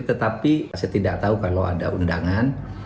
tetapi saya tidak tahu kalau ada undangan